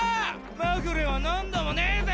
まぐれは何度もねえぜ！